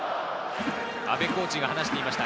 阿部コーチが話していました。